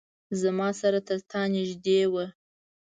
زما سره ترتا نیژدې وه